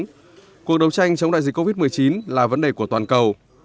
nhưng cuộc đấu tranh chống đại dịch covid một mươi chín là vấn đề của toàn cầu